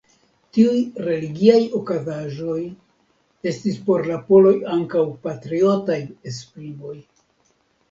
Tiuj religiaj okazaĵoj estis por la poloj ankaŭ patriotaj esprimoj.